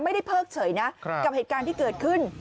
ไม่ได้เพิ่งเฉยนะกับเหตุการณ์ที่เกิดขึ้น